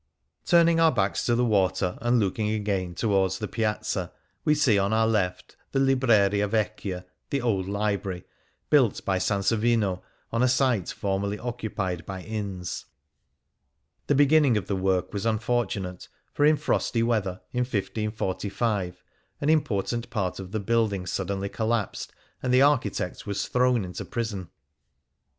Turning our backs to the water, and looking again towards the Piazza, we see on our left the Libreria Vecchia, the Old Library, built by Sansovino on a site formerly occupied by inns. The besinninc: of the work was unfortunate, for in frosty weather, in 1545, an important part of the building suddenly collapsed, and the architect was thrown into prison.